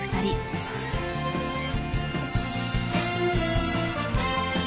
よし。